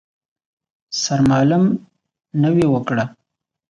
سرمالم نوې وکړه.